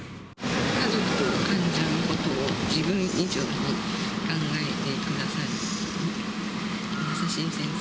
家族と患者のことを自分以上に考えてくださる、優しい先生。